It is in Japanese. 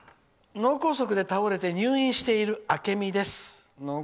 脳梗塞で倒れて入院している。